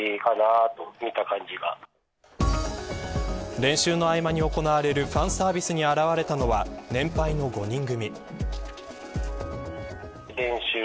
練習の合間に行われるファンサービスに現れたのは年配の５人組。